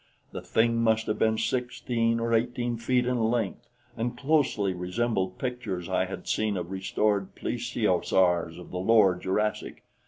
The thing must have been sixteen or eighteen feet in length and closely resembled pictures I had seen of restored plesiosaurs of the lower Jurassic.